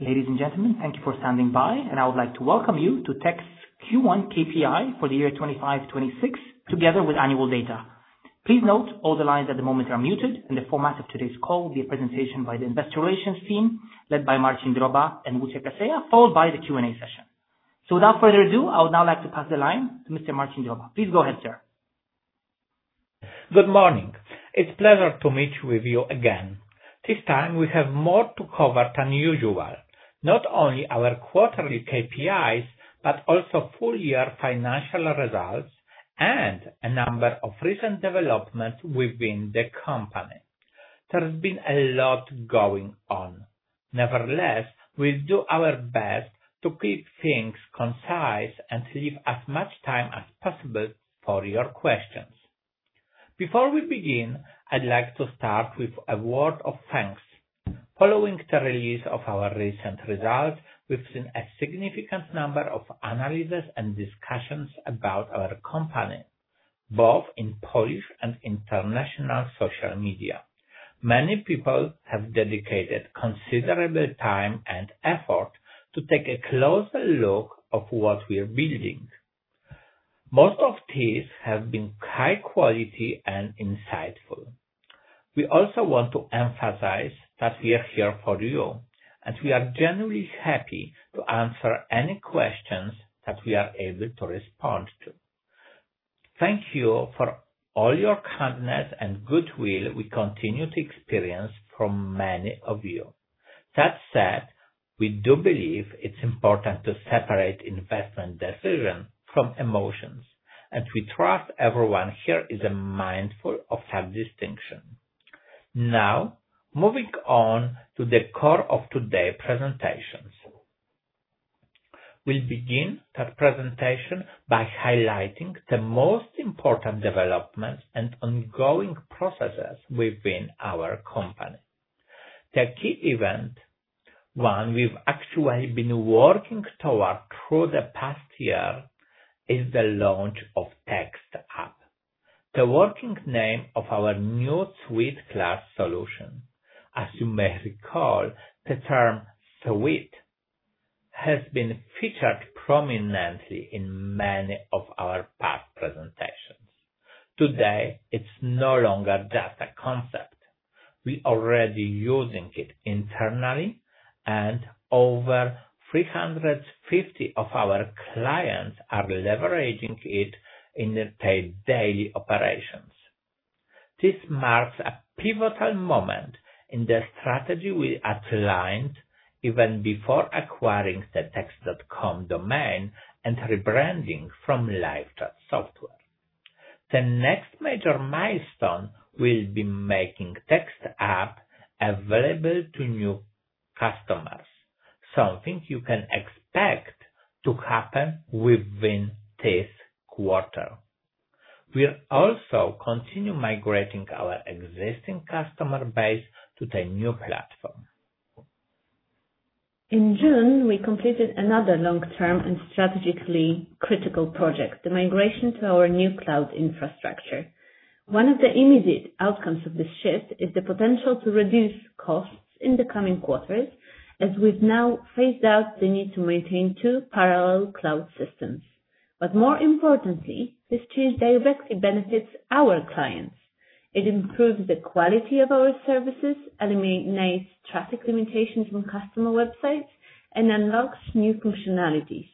Ladies and gentlemen, thank you for standing by, and I would like to welcome you to Text Q1 KPI for the year 2025-2026, together with annual data. Please note all the lines at the moment are muted, and the format of today's call will be a presentation by the Investor Relations team, led by Marcin Droba and Lucia Casella, followed by the Q&A session. Without further ado, I would now like to pass the line to Mr. Marcin Droba. Please go ahead, sir. Good morning. It's a pleasure to meet you again. This time we have more to cover than usual: not only our quarterly KPIs, but also full-year financial results and a number of recent developments within the company. There's been a lot going on. Nevertheless, we'll do our best to keep things concise and leave as much time as possible for your questions. Before we begin, I'd like to start with a word of thanks. Following the release of our recent results, we've seen a significant number of analyses and discussions about our company, both in Polish and international social media. Many people have dedicated considerable time and effort to take a closer look at what we're building. Most of these have been high quality and insightful. We also want to emphasize that we are here for you, and we are genuinely happy to answer any questions that we are able to respond to. Thank you for all your kindness and goodwill we continue to experience from many of you. That said, we do believe it's important to separate investment decisions from emotions, and we trust everyone here is mindful of that distinction. Now, moving on to the core of today's presentations, we'll begin that presentation by highlighting the most important developments and ongoing processes within our company. The key event, one we've actually been working toward through the past year, is the launch of the Text App, the working name of our new Suite-class solution. As you may recall, the term "suite" has been featured prominently in many of our past presentations. Today, it's no longer just a concept. We're already using it internally, and over 350 of our clients are leveraging it in their daily operations. This marks a pivotal moment in the strategy we outlined even before acquiring the Text.com domain and rebranding from LiveChat Software. The next major milestone will be making the Text App available to new customers, something you can expect to happen within this quarter. We'll also continue migrating our existing customer base to the new platform. In June, we completed another long-term and strategically critical project: the migration to our new cloud infrastructure. One of the immediate outcomes of this shift is the potential to reduce costs in the coming quarters, as we have now phased out the need to maintain two parallel cloud systems. More importantly, this change directly benefits our clients. It improves the quality of our services, eliminates traffic limitations on customer websites, and unlocks new functionalities,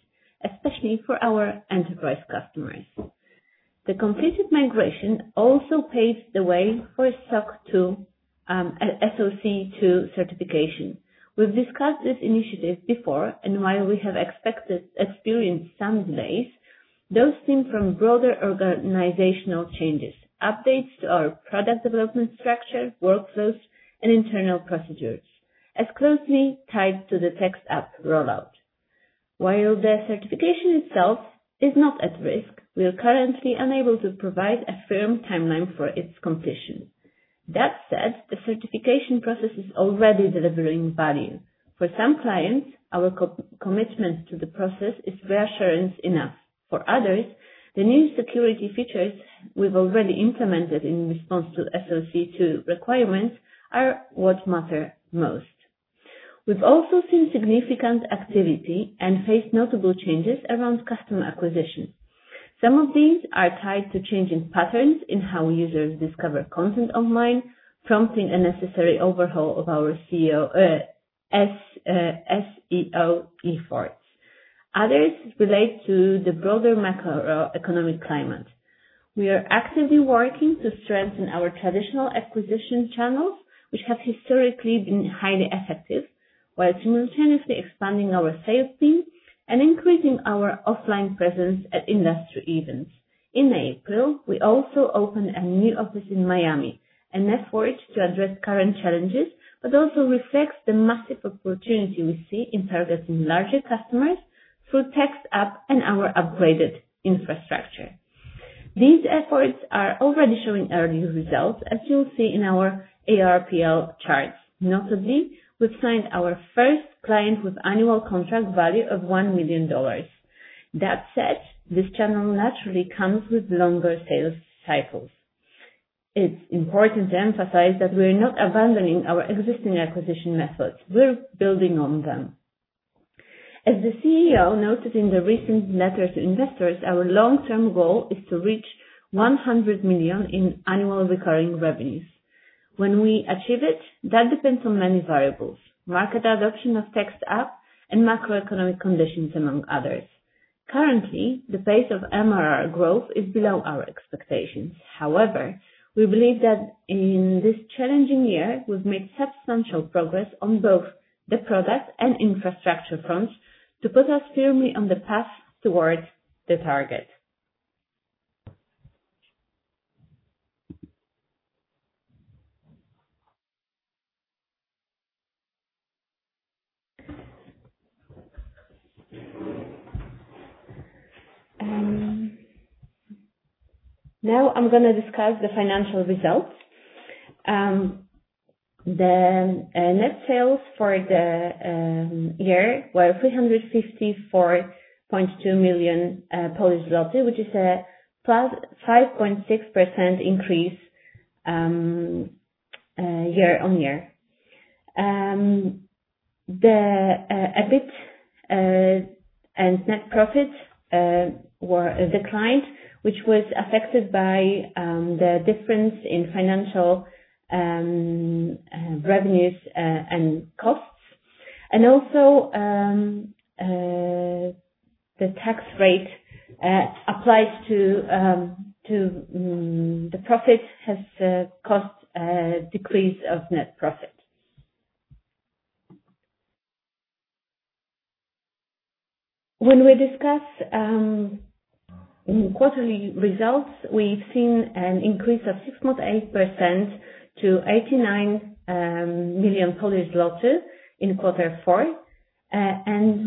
especially for our enterprise customers. The completed migration also paved the way for a SOC 2 certification. We have discussed this initiative before, and while we have experienced some delays, those stem from broader organizational changes: updates to our product development structure, workflows, and internal procedures, as closely tied to the Text App rollout. While the certification itself is not at risk, we are currently unable to provide a firm timeline for its completion. That said, the certification process is already delivering value. For some clients, our commitment to the process is reassurance enough. For others, the new security features we have already implemented in response to SOC 2 requirements are what matter most. We have also seen significant activity and faced notable changes around customer acquisition. Some of these are tied to changing patterns in how users discover content online, prompting a necessary overhaul of our SEO efforts. Others relate to the broader macroeconomic climate. We are actively working to strengthen our traditional acquisition channels, which have historically been highly effective, while simultaneously expanding our sales team and increasing our offline presence at industry events. In April, we also opened a new office in Miami, an effort to address current challenges, but also reflects the massive opportunity we see in targeting larger customers through the Text App and our upgraded infrastructure. These efforts are already showing early results, as you'll see in our ARPL charts. Notably, we've signed our first client with an annual contract value of $1 million. That said, this channel naturally comes with longer sales cycles. It's important to emphasize that we're not abandoning our existing acquisition methods. We're building on them. As the CEO noted in the recent letter to investors, our long-term goal is to reach $100 million in annual recurring revenues. When we achieve it, that depends on many variables: market adoption of the Text App and macroeconomic conditions, among others. Currently, the pace of MRR growth is below our expectations. However, we believe that in this challenging year, we've made substantial progress on both the product and infrastructure fronts to put us firmly on the path towards the target. Now, I'm going to discuss the financial results. The net sales for the year were PLN 354.2 million, which is a +5.6% increase year-on-year. The EBIT and net profit declined, which was affected by the difference in financial revenues and costs. Also, the tax rate applied to the profit has caused a decrease of net profit. When we discuss quarterly results, we've seen an increase of 6.8% to PLN 89 million in Q4.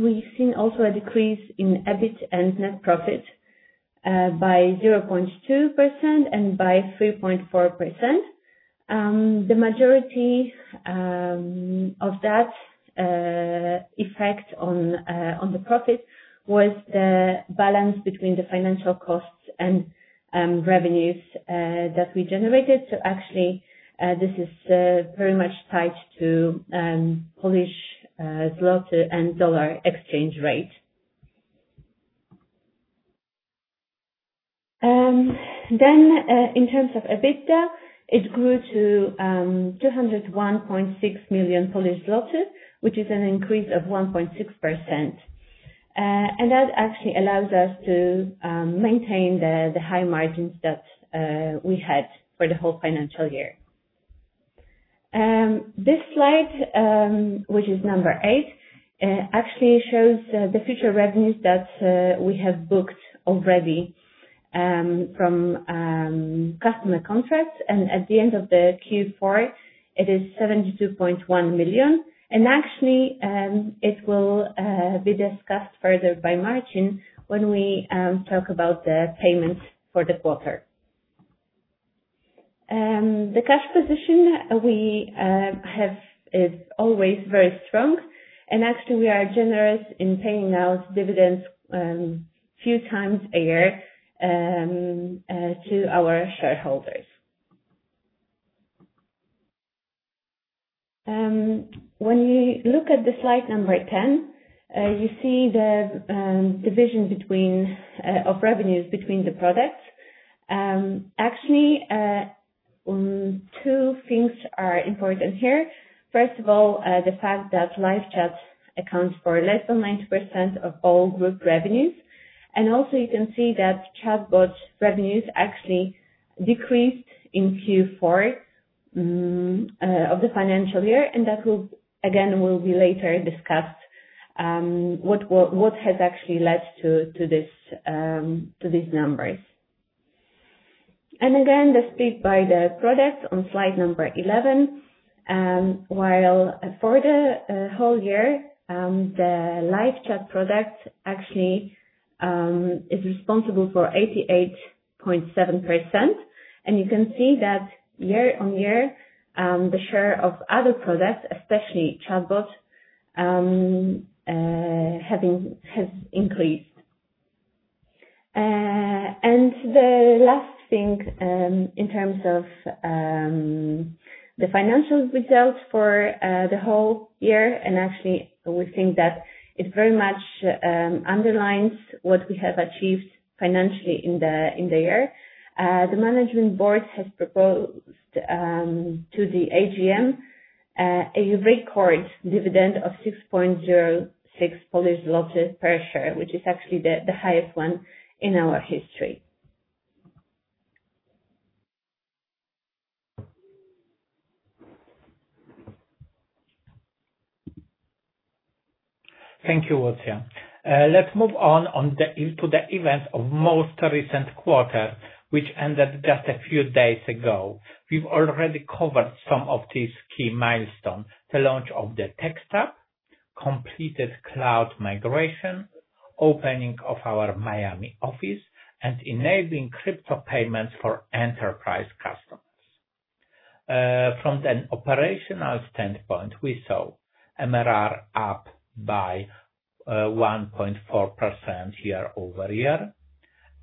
We've seen also a decrease in EBIT and net profit by 0.2% and by 3.4%. The majority of that effect on the profit was the balance between the financial costs and revenues that we generated. Actually, this is very much tied to Polish złoty and dollar exchange rate. In terms of EBITDA, it grew to 201.6 million Polish zloty, which is an increase of 1.6%. That actually allows us to maintain the high margins that we had for the whole financial year. This slide, which is number eight, actually shows the future revenues that we have booked already from customer contracts. At the end of the Q4, it is 72.1 million. It will be discussed further by Marcin when we talk about the payments for the quarter. The cash position we have is always very strong. We are generous in paying out dividends a few times a year to our shareholders. When you look at slide number 10, you see the division of revenues between the products. Two things are important here. First of all, the fact that LiveChat accounts for less than 90% of all group revenues. Also, you can see that ChatBot's revenues actually decreased in Q4 of the financial year. That will, again, be later discussed, what has actually led to these numbers. Again, the split by the product on slide number 11. While for the whole year, the LiveChat product actually is responsible for 88.7%. You can see that year-on-year, the share of other products, especially ChatBot, has increased. The last thing in terms of the financial results for the whole year, and actually, we think that it very much underlines what we have achieved financially in the year. The management board has proposed to the AGM a record dividend of 6.06 Polish zloty per share, which is actually the highest one in our history. Thank you, Lucia. Let's move on to the events of the most recent quarter, which ended just a few days ago. We've already covered some of these key milestones: the launch of the Text App, completed cloud migration, opening of our Miami office, and enabling crypto payments for enterprise customers. From the operational standpoint, we saw MRR up by 1.4% year over year,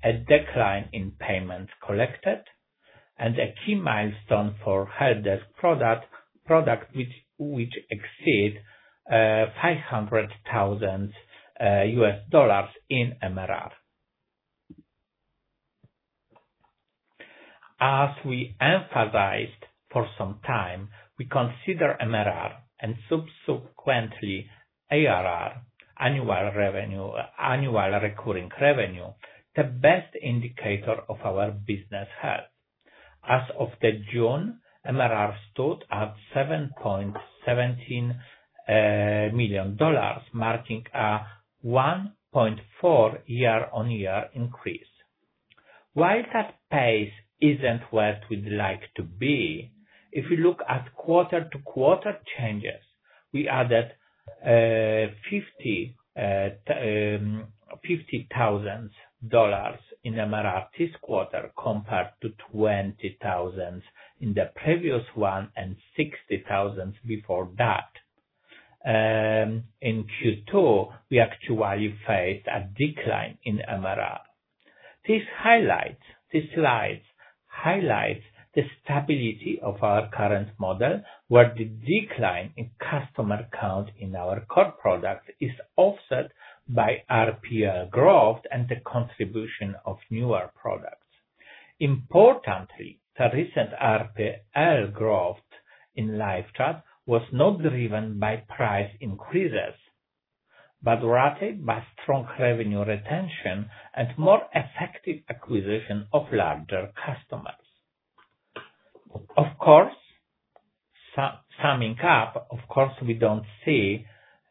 a decline in payments collected, and a key milestone for the HelpDesk product, which exceeded $500,000 in MRR. As we emphasized for some time, we consider MRR and subsequently ARR, annual recurring revenue, the best indicator of our business health. As of June, MRR stood at $7.17 million, marking a 1.4% year-on-year increase. While that pace isn't where we'd like to be, if we look at quarter-to-quarter changes, we added $50,000 in MRR this quarter compared to $20,000 in the previous one and $60,000 before that. In Q2, we actually faced a decline in MRR. This slide highlights the stability of our current model, where the decline in customer count in our core product is offset by RPL growth and the contribution of newer products. Importantly, the recent RPL growth in LiveChat was not driven by price increases, but rather by strong revenue retention and more effective acquisition of larger customers. Of course, summing up, we do not see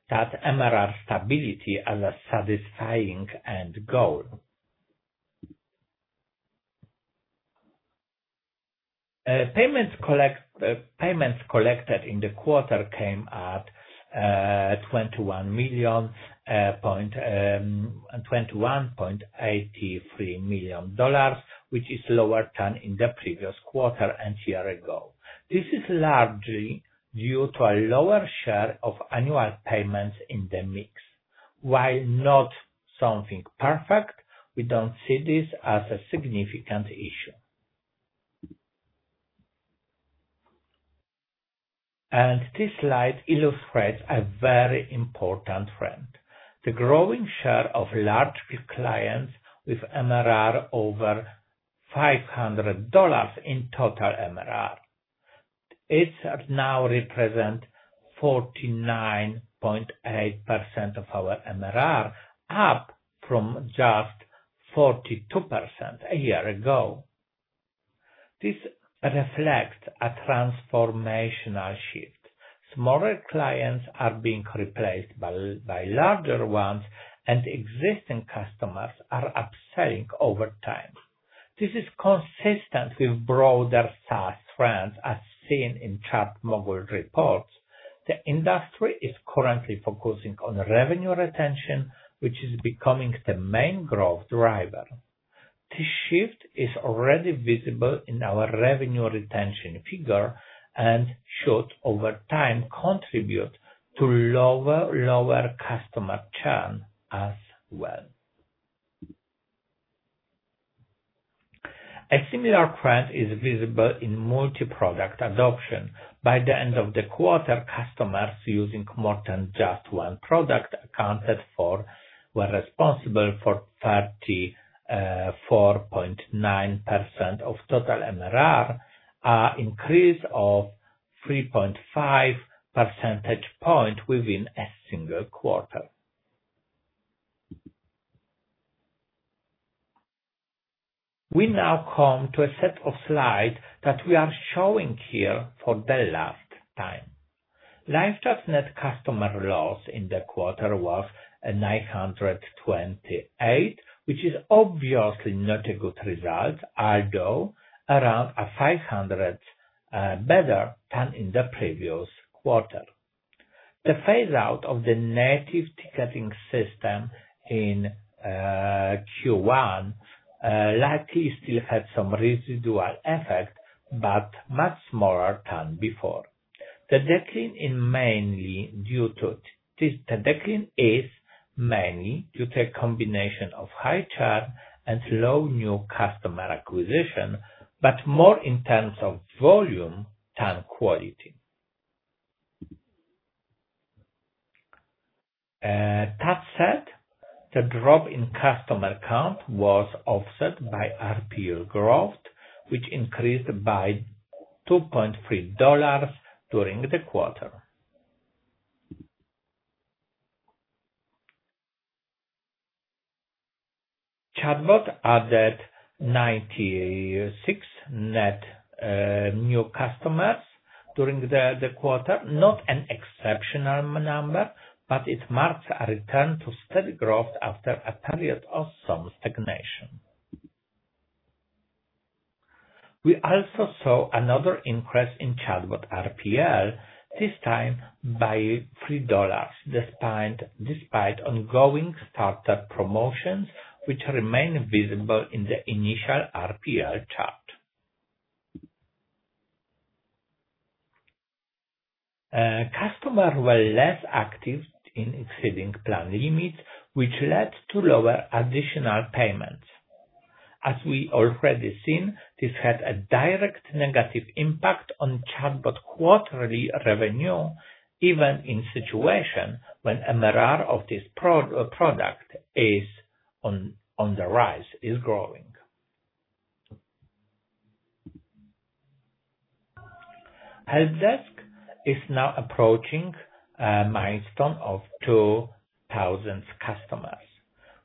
that MRR stability as a satisfying end goal. Payments collected in the quarter came at $21.83 million, which is lower than in the previous quarter and year ago. This is largely due to a lower share of annual payments in the mix. While not something perfect, we do not see this as a significant issue. This slide illustrates a very important trend: the growing share of large clients with MRR over $500 in total MRR. It now represents 49.8% of our MRR, up from just 42% a year ago. This reflects a transformational shift. Smaller clients are being replaced by larger ones, and existing customers are upselling over time. This is consistent with broader SaaS trends as seen in ChartMogul reports. The industry is currently focusing on revenue retention, which is becoming the main growth driver. This shift is already visible in our revenue retention figure and should, over time, contribute to lower customer churn as well. A similar trend is visible in multi-product adoption. By the end of the quarter, customers using more than just one product were responsible for 34.9% of total MRR, an increase of 3.5 percentage points within a single quarter. We now come to a set of slides that we are showing here for the last time. LiveChat's net customer loss in the quarter was 928, which is obviously not a good result, although around 500 better than in the previous quarter. The phase-out of the native ticketing system in Q1 likely still had some residual effect, but much smaller than before. The decline is mainly due to a combination of high churn and low new customer acquisition, but more in terms of volume than quality. That said, the drop in customer count was offset by RPL growth, which increased by $2.3 during the quarter. ChatBot added 96 net new customers during the quarter, not an exceptional number, but it marks a return to steady growth after a period of some stagnation. We also saw another increase in ChatBot RPL, this time by $3, despite ongoing starter promotions, which remain visible in the initial RPL chart. Customers were less active in exceeding planned limits, which led to lower additional payments. As we already seen, this had a direct negative impact on ChatBot quarterly revenue, even in a situation when MRR of this product is on the rise, is growing. HelpDesk is now approaching a milestone of 2,000 customers.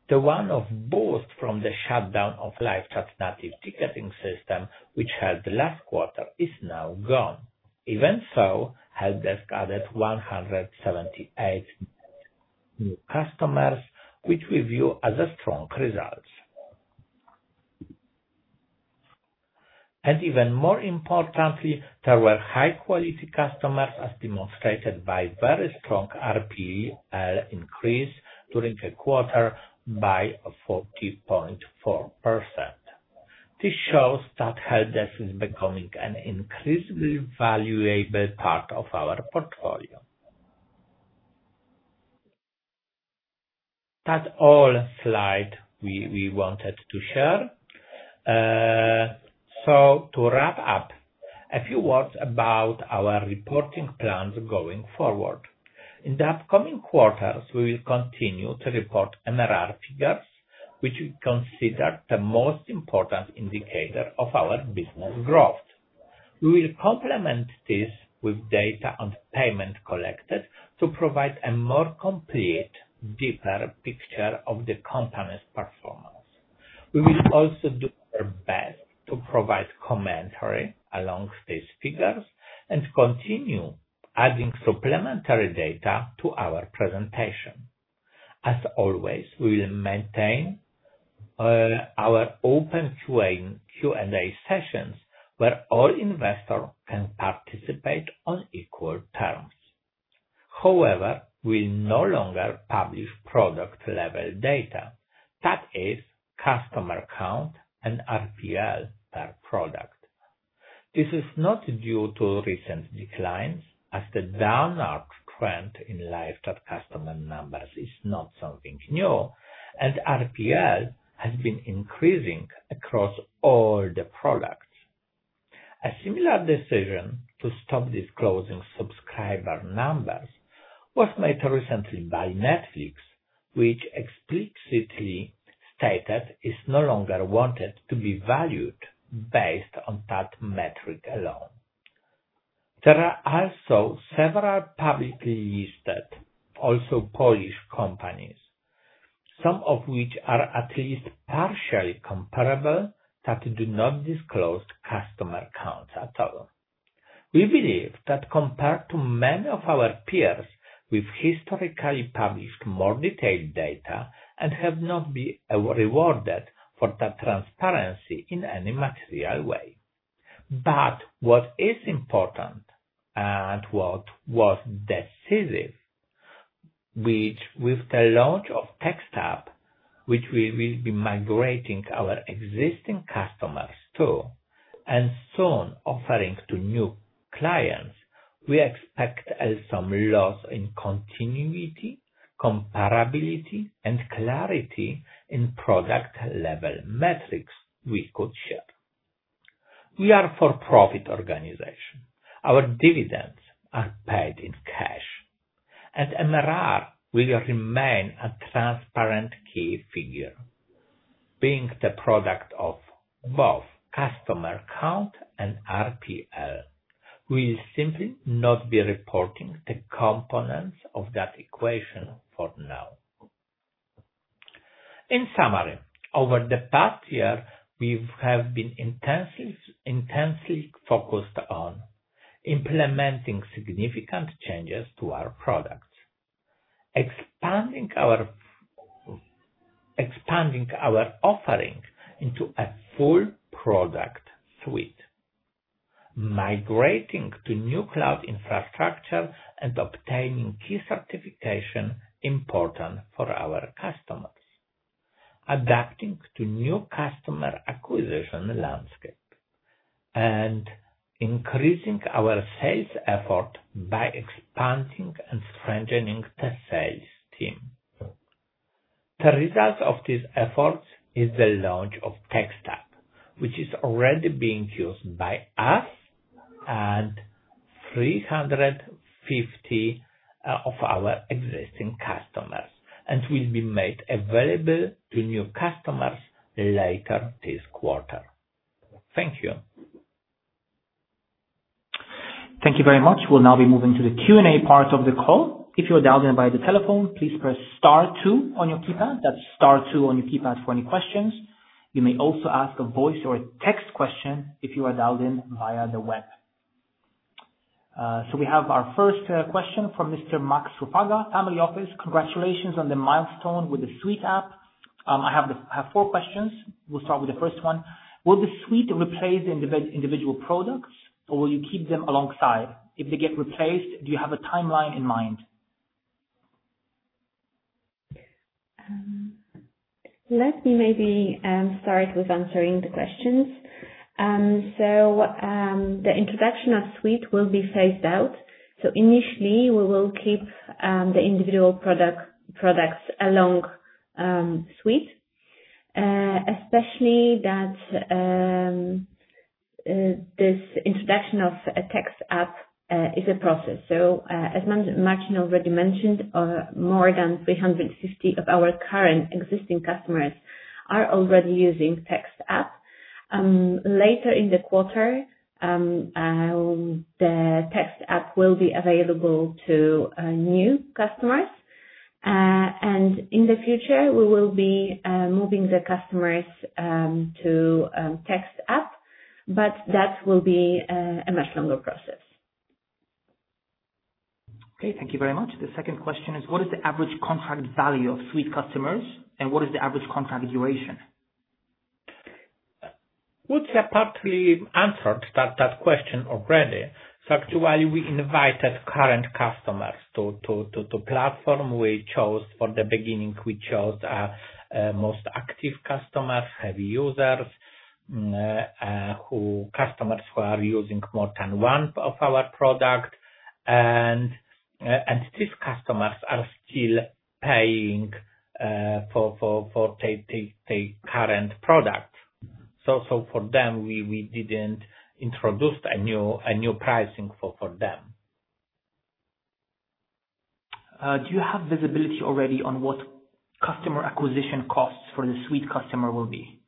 The one-off boost from the shutdown of LiveChat's native ticketing system, which had the last quarter, is now gone. Even so, HelpDesk added 178 new customers, which we view as strong results. Even more importantly, they were high-quality customers, as demonstrated by very strong RPL increase during the quarter by 40.4%. This shows that HelpDesk is becoming an increasingly valuable part of our portfolio. That is all the slides we wanted to share. To wrap up, a few words about our reporting plans going forward. In the upcoming quarters, we will continue to report MRR figures, which we consider the most important indicator of our business growth. We will complement this with data on payment collected to provide a more complete, deeper picture of the company's performance. We will also do our best to provide commentary along these figures and continue adding supplementary data to our presentation. As always, we will maintain our open Q&A sessions where all investors can participate on equal terms. However, we will no longer publish product-level data, that is, customer count and RPL per product. This is not due to recent declines, as the downward trend in LiveChat customer numbers is not something new, and RPL has been increasing across all the products. A similar decision to stop disclosing subscriber numbers was made recently by Netflix, which explicitly stated it no longer wanted to be valued based on that metric alone. There are also several publicly listed, also Polish companies, some of which are at least partially comparable that do not disclose customer counts at all. We believe that compared to many of our peers, we've historically published more detailed data and have not been rewarded for that transparency in any material way. What is important and what was decisive, which with the launch of Text App, which we will be migrating our existing customers to and soon offering to new clients, we expect some loss in continuity, comparability, and clarity in product-level metrics we could share. We are a for-profit organization. Our dividends are paid in cash. MRR will remain a transparent key figure. Being the product of both customer count and RPL, we will simply not be reporting the components of that equation for now. In summary, over the past year, we have been intensely focused on implementing significant changes to our products, expanding our offering into a full product suite, migrating to new cloud infrastructure, and obtaining key certification important for our customers, adapting to new customer acquisition landscape, and increasing our sales effort by expanding and strengthening the sales team. The result of these efforts is the launch of Text App, which is already being used by us and 350 of our existing customers, and will be made available to new customers later this quarter. Thank you. Thank you very much. We'll now be moving to the Q&A part of the call. If you are dialed in by the telephone, please press star two on your keypad. That's star two on your keypad for any questions. You may also ask a voice or a text question if you are dialed in via the web. We have our first question from Mr. Max Ruffaga, Family Office. Congratulations on the milestone with the Suite app. I have four questions. We'll start with the first one. Will the Suite replace the individual products, or will you keep them alongside? If they get replaced, do you have a timeline in mind? Let me maybe start with answering the questions. The introduction of Suite will be phased out. Initially, we will keep the individual products along Suite, especially that this introduction of a Text App is a process. As Marcin already mentioned, more than 350 of our current existing customers are already using Text App. Later in the quarter, the Text App will be available to new customers. In the future, we will be moving the customers to Text App, but that will be a much longer process. Okay. Thank you very much. The second question is, what is the average contract value of Suite customers, and what is the average contract duration? We've separately answered that question already. Actually, we invited current customers to the platform. We chose for the beginning, we chose most active customers, heavy users, customers who are using more than one of our products. These customers are still paying for their current product. For them, we did not introduce a new pricing for them. Do you have visibility already on what customer acquisition costs for the Suite customer will be?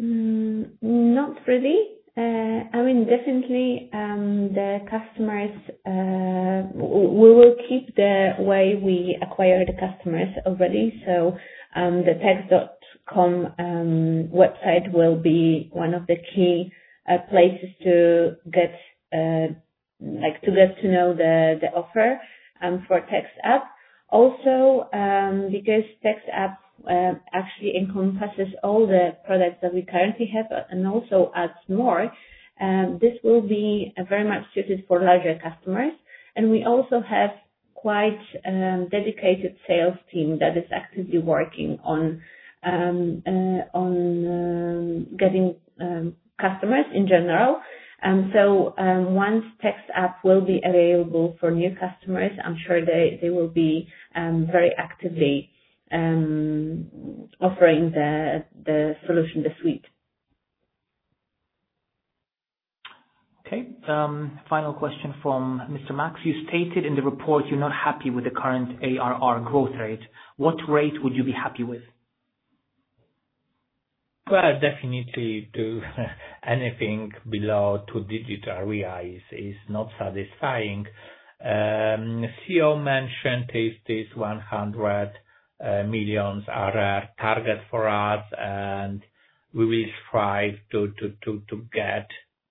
Not really. I mean, definitely, the customers we will keep the way we acquire the customers already. The Text.com website will be one of the key places to get to know the offer for Text App. Also, because Text App actually encompasses all the products that we currently have and also adds more, this will be very much suited for larger customers. We also have quite a dedicated sales team that is actively working on getting customers in general. Once Text App will be available for new customers, I am sure they will be very actively offering the solution, the Suite. Okay. Final question from Mr. Max. You stated in the report you're not happy with the current ARR growth rate. What rate would you be happy with? Definitely anything below two digit REI is not satisfying. CEO mentioned this 100 million REI target for us, and we will strive to get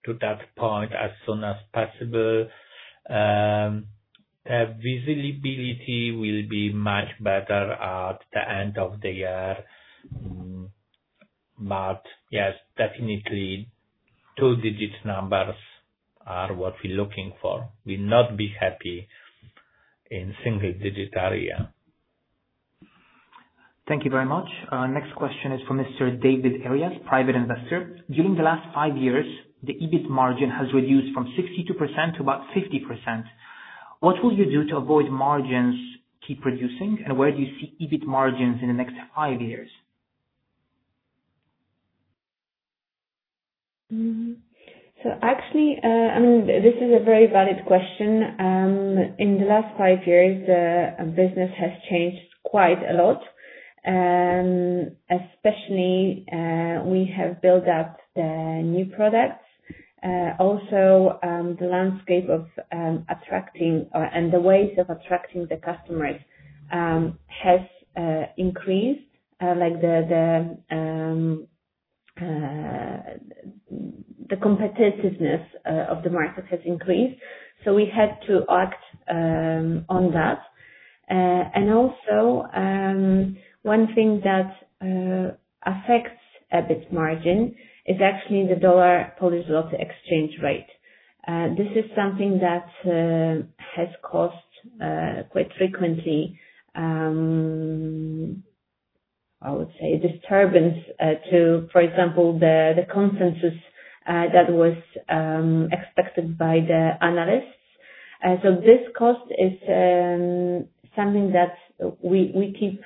to that point as soon as possible. The visibility will be much better at the end of the year. Yes, definitely two digit numbers are what we're looking for. We'll not be happy in single-digit REI. Thank you very much. Next question is for Mr. David Arias, private investor. During the last five years, the EBIT margin has reduced from 62% to about 50%. What will you do to avoid margins keep reducing, and where do you see EBIT margins in the next five years? Actually, I mean, this is a very valid question. In the last five years, the business has changed quite a lot, especially we have built up the new products. Also, the landscape of attracting and the ways of attracting the customers has increased. The competitiveness of the market has increased. We had to act on that. Also, one thing that affects EBIT margin is actually the dollar Polish złoty exchange rate. This is something that has caused quite frequently, I would say, disturbance to, for example, the consensus that was expected by the analysts. This cost is something that we keep,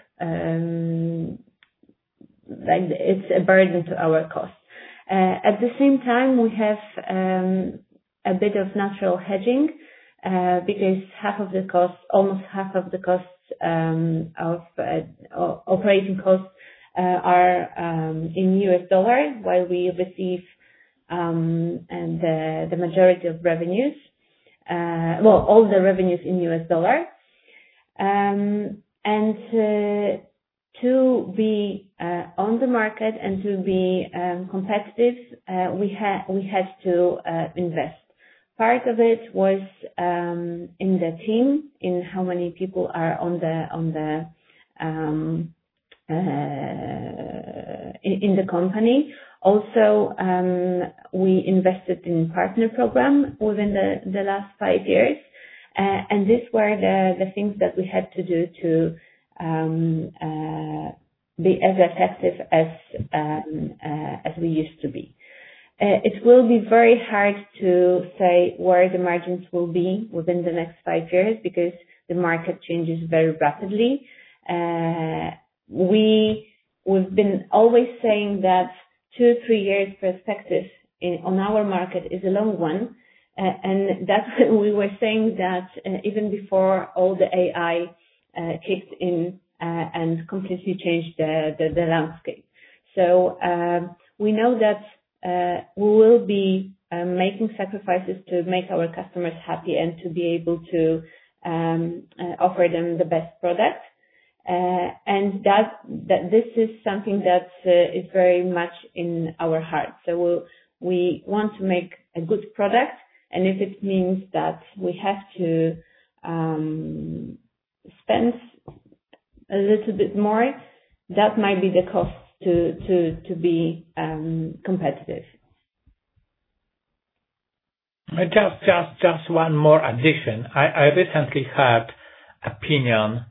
it's a burden to our cost. At the same time, we have a bit of natural hedging because half of the cost, almost half of the cost of operating costs are in US dollars, while we receive the majority of revenues, well, all the revenues in US dollars. To be on the market and to be competitive, we had to invest. Part of it was in the team, in how many people are on the company. Also, we invested in partner programs within the last five years. These were the things that we had to do to be as effective as we used to be. It will be very hard to say where the margins will be within the next five years because the market changes very rapidly. We've been always saying that two or three years' perspective on our market is a long one. That is when we were saying that even before all the AI kicked in and completely changed the landscape. We know that we will be making sacrifices to make our customers happy and to be able to offer them the best product. This is something that is very much in our heart. We want to make a good product. If it means that we have to spend a little bit more, that might be the cost to be competitive. Just one more addition. I recently heard an opinion;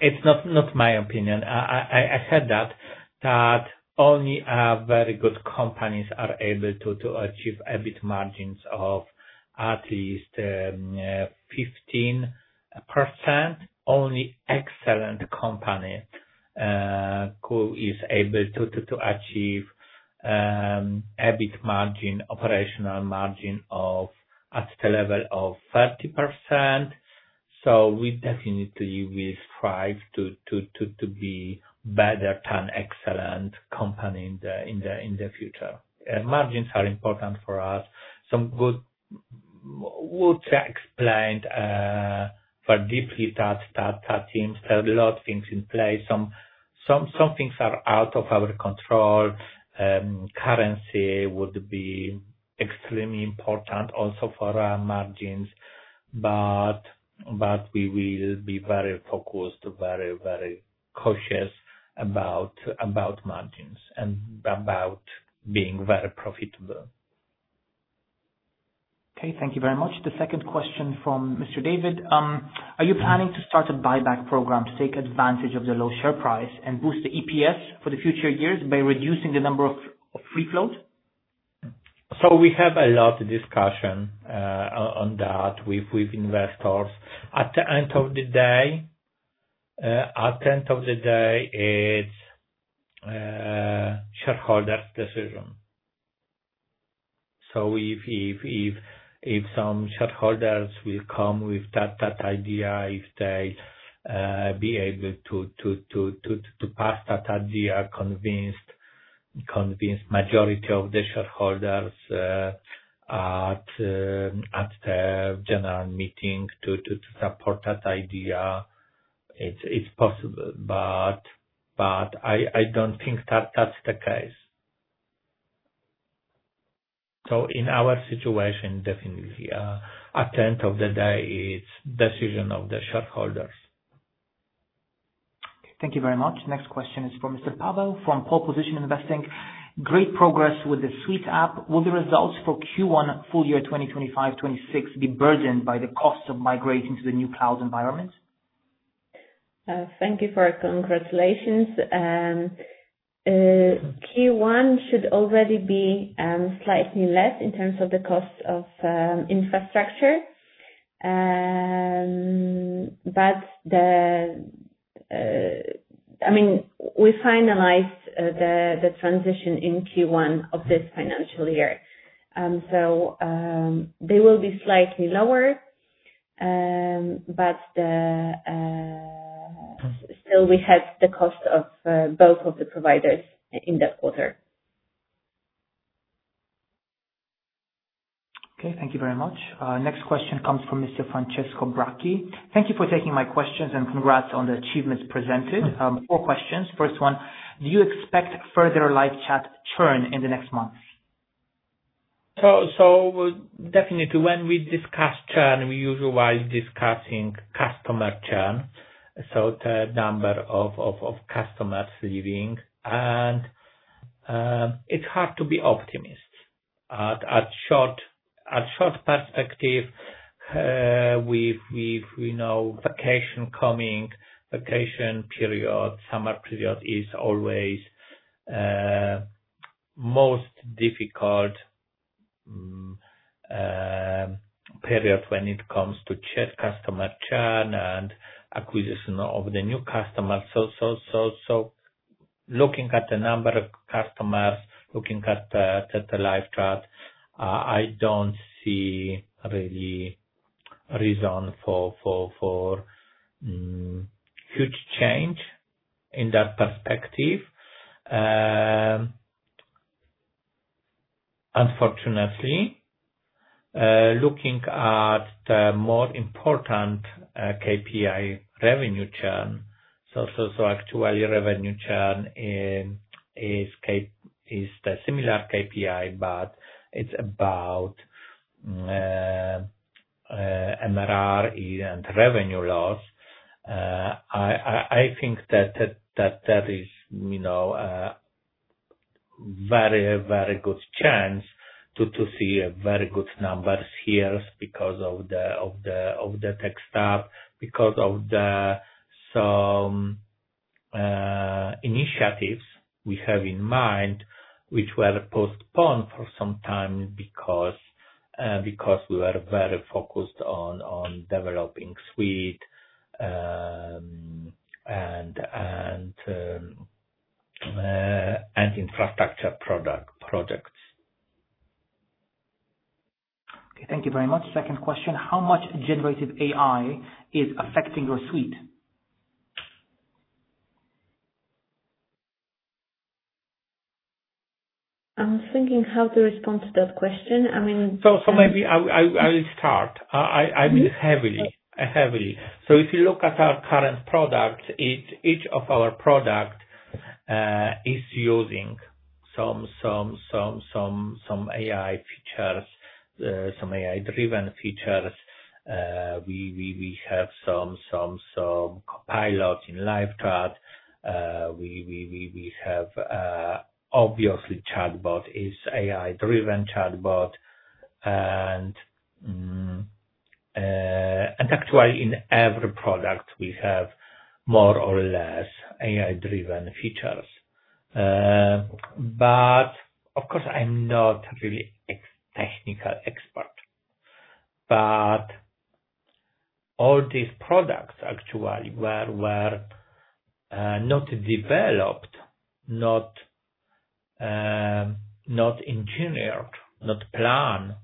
it's not my opinion. I heard that only very good companies are able to achieve EBIT margins of at least 15%. Only an excellent company is able to achieve EBIT margin, operational margin at the level of 30%. We definitely will strive to be better than excellent companies in the future. Margins are important for us. What I explained for deeply taught teams, there are a lot of things in place. Some things are out of our control. Currency would be extremely important also for our margins. We will be very focused, very, very cautious about margins and about being very profitable. Okay. Thank you very much. The second question from Mr. David. Are you planning to start a buyback program to take advantage of the low share price and boost the EPS for the future years by reducing the number of free float? We have a lot of discussion on that with investors. At the end of the day, it's shareholders' decision. If some shareholders will come with that idea, if they'll be able to pass that idea, convince the majority of the shareholders at the general meeting to support that idea, it's possible. I don't think that that's the case. In our situation, definitely, at the end of the day, it's the decision of the shareholders. Thank you very much. Next question is for Mr. Pablo from Pole Position Investing. Great progress with the Suite app. Will the results for Q1, full year 2025-2026, be burdened by the cost of migrating to the new cloud environment? Thank you for congratulations. Q1 should already be slightly less in terms of the cost of infrastructure. I mean, we finalized the transition in Q1 of this financial year. They will be slightly lower, but still, we had the cost of both of the providers in that quarter. Okay. Thank you very much. Next question comes from Mr. Francesco Brachi. Thank you for taking my questions and congrats on the achievements presented. Four questions. First one, do you expect further LiveChat churn in the next months? Definitely, when we discuss churn, we usually discuss customer churn, so the number of customers leaving. It's hard to be optimist. At short perspective, we know vacation coming, vacation period, summer period is always the most difficult period when it comes to chat customer churn and acquisition of the new customers. Looking at the number of customers, looking at the LiveChat, I don't see really a reason for huge change in that perspective. Unfortunately, looking at the more important KPI, revenue churn, so actually revenue churn is a similar KPI, but it's about MRR and revenue loss. I think that there is a very, very good chance to see very good numbers here because of the tech staff, because of the initiatives we have in mind, which were postponed for some time because we were very focused on developing Suite and infrastructure projects. Okay. Thank you very much. Second question, how much generative AI is affecting your Suite? I'm thinking how to respond to that question. I mean. Maybe I will start. I mean, heavily. If you look at our current products, each of our products is using some AI features, some AI-driven features. We have some CoPilots in LiveChat. We have, obviously, ChatBot is AI-driven ChatBot. Actually, in every product, we have more or less AI-driven features. Of course, I'm not really a technical expert. All these products actually were not developed, not engineered, not planned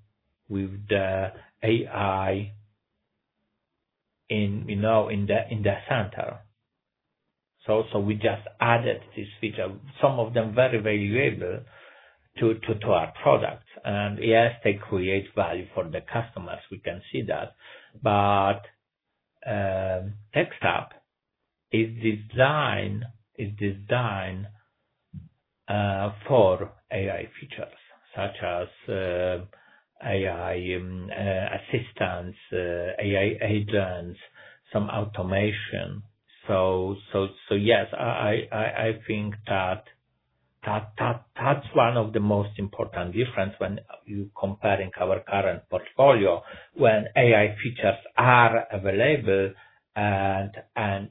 with the AI in the center. We just added this feature. Some of them are very valuable to our products. Yes, they create value for the customers. We can see that. Tech staff is designed for AI features such as AI assistants, AI agents, some automation. Yes, I think that's one of the most important differences when you're comparing our current portfolio when AI features are available and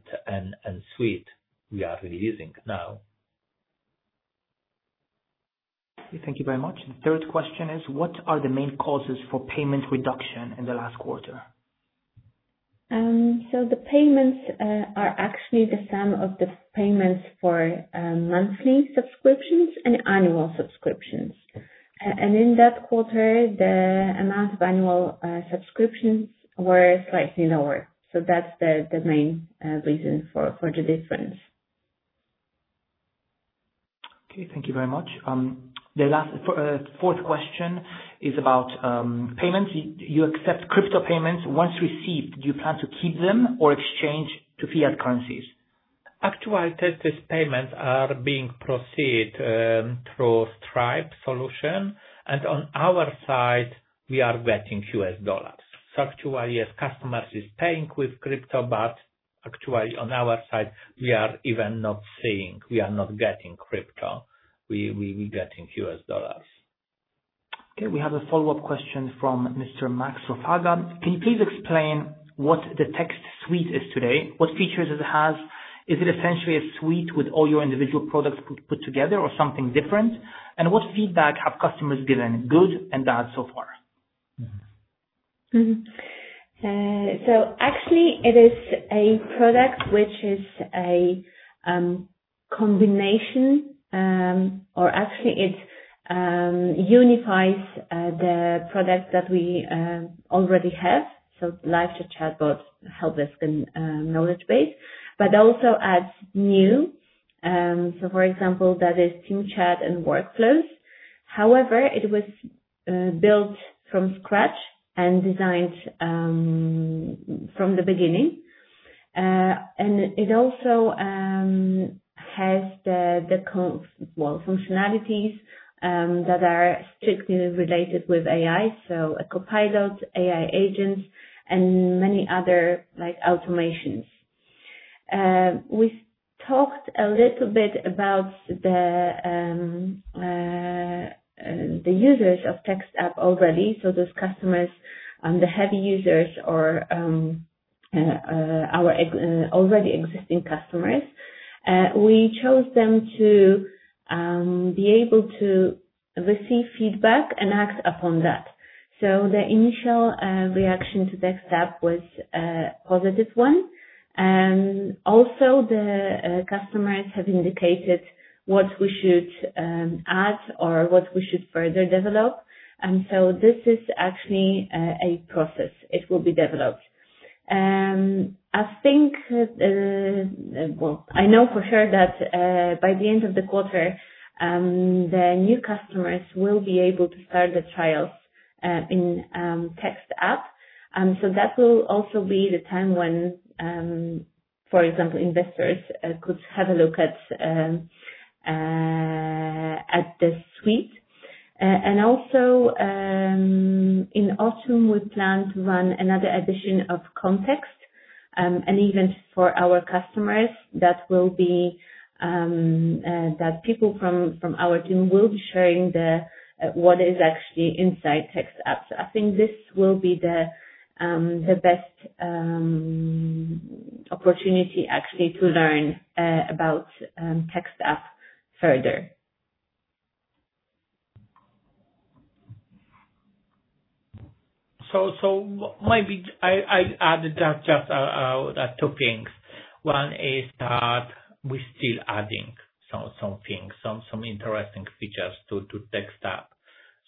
Suite we are releasing now. Thank you very much. The third question is, what are the main causes for payment reduction in the last quarter? The payments are actually the sum of the payments for monthly subscriptions and annual subscriptions. In that quarter, the amount of annual subscriptions were slightly lower. That is the main reason for the difference. Okay. Thank you very much. The fourth question is about payments. You accept crypto payments. Once received, do you plan to keep them or exchange to fiat currencies? Actually, these payments are being processed through Stripe solution. On our side, we are getting US dollars. Actually, customers are paying with crypto, but on our side, we are not even seeing, we are not getting crypto. We are getting US dollars. Okay. We have a follow-up question from Mr. Max Ruffaga. Can you please explain what the Text Suite is today? What features does it have? Is it essentially a suite with all your individual products put together or something different? What feedback have customers given, good and bad so far? Actually, it is a product which is a combination, or actually, it unifies the products that we already have. LiveChat, ChatBot, HelpDesk, and Knowledge Base, but also adds new. For example, that is team chat and workflows. However, it was built from scratch and designed from the beginning. It also has the functionalities that are strictly related with AI, so a CoPilot, AI Agents, and many other automations. We talked a little bit about the users of Text App already. Those customers, the heavy users or our already existing customers, we chose them to be able to receive feedback and act upon that. The initial reaction to Text App was a positive one. Also, the customers have indicated what we should add or what we should further develop. This is actually a process. It will be developed. I think, I know for sure that by the end of the quarter, new customers will be able to start the trials in Text App. That will also be the time when, for example, investors could have a look at the Suite. Also, in autumn, we plan to run another edition of Context and Events for our customers. That will be when people from our team will be sharing what is actually inside Text Apps. I think this will be the best opportunity actually to learn about Text App further. Maybe I added just two things. One is that we're still adding some things, some interesting features to Text App.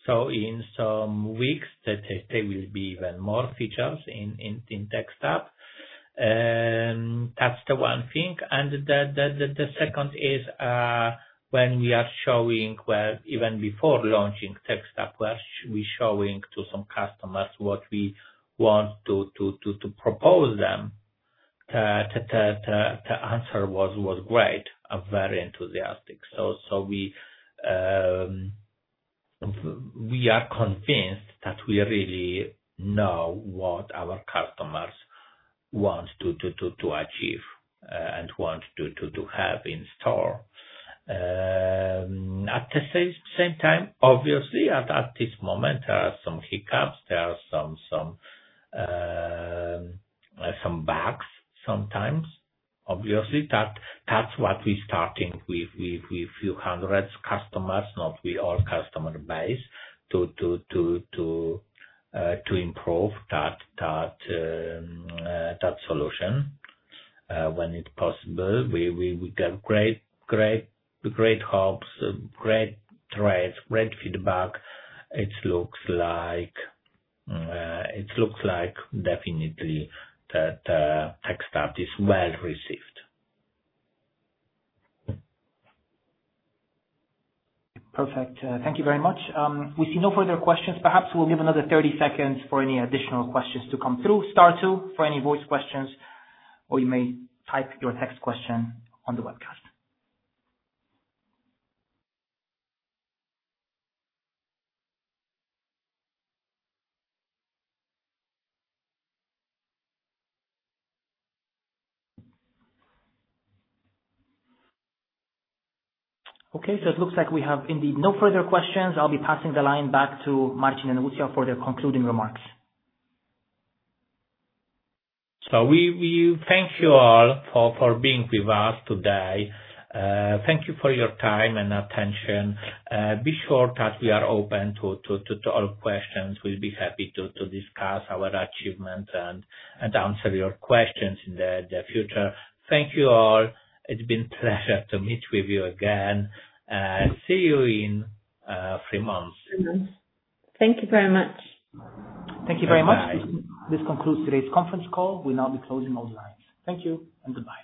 In some weeks, there will be even more features in Text App. That's the one thing. The second is when we are showing, even before launching Text App, we're showing to some customers what we want to propose them. The answer was great, very enthusiastic. We are convinced that we really know what our customers want to achieve and want to have in store. At the same time, obviously, at this moment, there are some hiccups. There are some bugs sometimes. Obviously, that's why we're starting with a few hundred customers, not with all customer base, to improve that solution when it's possible. We get great hopes, great threads, great feedback. It looks like definitely that Text staff is well received. Perfect. Thank you very much. We see no further questions. Perhaps we'll give another 30 seconds for any additional questions to come through. Star two for any voice questions, or you may type your text question on the webcast. Okay. It looks like we have indeed no further questions. I'll be passing the line back to Marcin and Lucia for their concluding remarks. We thank you all for being with us today. Thank you for your time and attention. Be sure that we are open to all questions. We'll be happy to discuss our achievements and answer your questions in the future. Thank you all. It's been a pleasure to meet with you again. See you in three months. Thank you very much. Thank you very much. This concludes today's conference call. We'll now be closing all the lines. Thank you and goodbye.